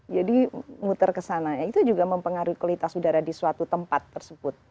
jadi muter ke sana itu juga mempengaruhi kualitas udara di suatu tempat tersebut